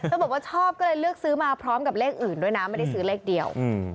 บอกว่าชอบก็เลยเลือกซื้อมาพร้อมกับเลขอื่นด้วยนะไม่ได้ซื้อเลขเดียว